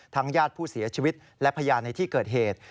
ญาติผู้เสียชีวิตและพยานในที่เกิดเหตุ